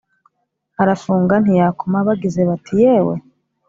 Arafunga ntiyakomaBagize bati "yewe!"